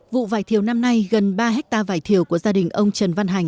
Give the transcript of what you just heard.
vụ vải thiều năm nay gần ba hectare vải thiều của gia đình ông trần văn hành